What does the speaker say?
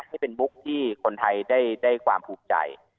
ให้เป็นมุกที่คนไทยได้ความภูมิใจ